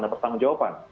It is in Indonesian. ada pertanggung jawaban